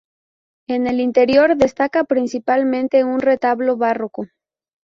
En el interior, destaca principalmente un retablo barroco.